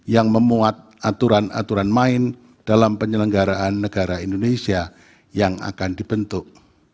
yang memuat aturan aturan main dalam penyelenggaraan negara indonesia yang akan dibentuk